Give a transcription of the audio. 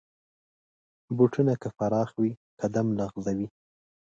بوټونه که پراخ وي، قدم لغزوي.